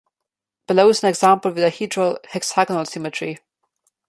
Below is an example with dihedral hexagonal symmetry.